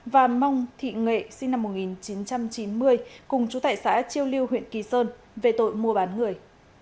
và mong thị nghệ sinh năm một nghìn chín trăm chín mươi cùng chú tại xã chiêu liêu huyện kỳ sơn về tội mua bán người